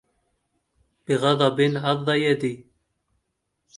بغضب عض يدي